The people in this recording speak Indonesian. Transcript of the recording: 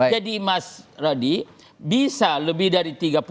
jadi mas taredy bisa lebih dari tiga puluh empat